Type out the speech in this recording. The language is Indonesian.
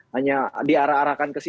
hanya diarah arahkan ke sini